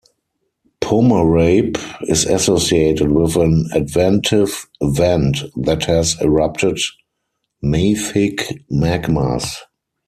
Pomerape is associated with an adventive vent that has erupted mafic magmas.